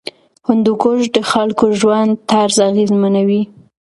هندوکش د خلکو ژوند طرز اغېزمنوي.